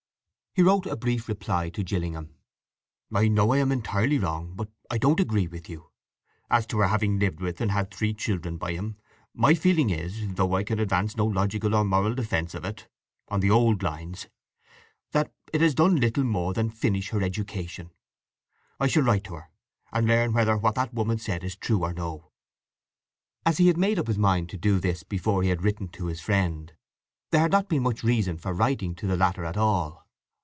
He wrote a brief reply to Gillingham. "I know I am entirely wrong, but I don't agree with you. As to her having lived with and had three children by him, my feeling is (though I can advance no logical or moral defence of it, on the old lines) that it has done little more than finish her education. I shall write to her, and learn whether what that woman said is true or no." As he had made up his mind to do this before he had written to his friend, there had not been much reason for writing to the latter at all.